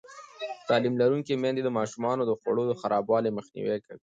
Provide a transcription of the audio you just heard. تعلیم لرونکې میندې د ماشومانو د خوړو خرابوالی مخنیوی کوي.